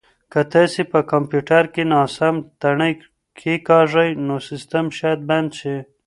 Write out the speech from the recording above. که تاسي په کمپیوټر کې ناسم تڼۍ کېکاږئ نو سیسټم شاید بند شي.